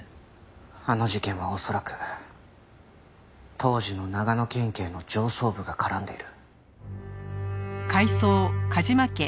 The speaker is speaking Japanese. あの事件は恐らく当時の長野県警の上層部が絡んでいる。